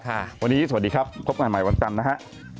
วันนี้สวัสดีครับพบกันใหม่วันจันทร์นะฮะ